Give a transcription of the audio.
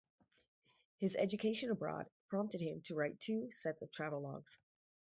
His education abroad prompted him to write two sets of travelogues.